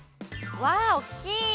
うわおっきい！